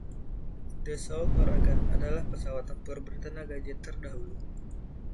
Dassault Ouragan adalah pesawat tempur bertenaga jet terdahulu.